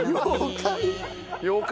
妖怪。